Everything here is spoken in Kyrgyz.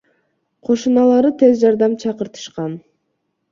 Кошуналары тез жардам чакыртышкан.